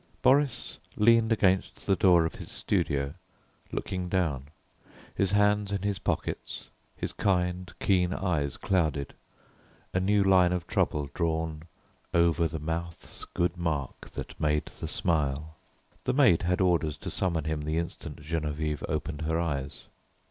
Boris leaned against the door of his studio, looking down, his hands in his pockets, his kind, keen eyes clouded, a new line of trouble drawn "over the mouth's good mark, that made the smile." The maid had orders to summon him the instant Geneviève opened her eyes.